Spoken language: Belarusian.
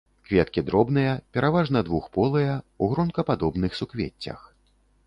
Кветкі дробныя, пераважна двухполыя, у гронкападобных суквеццях.